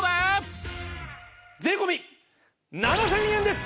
税込７０００円です！